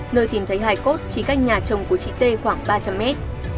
nơi tìm thấy hải cốt chỉ cách nhà chồng của chị t khoảng ba trăm linh mét